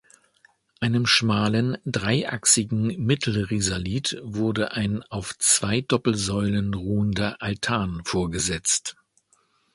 Einem schmalen, dreiachsigen Mittelrisalit wurde ein auf zwei Doppelsäulen ruhender Altan vorgesetzt.